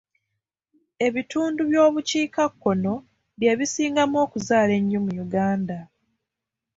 Ebitundu by'obukiikakkono bye bisingamu okuzaala ennyo mu Uganda.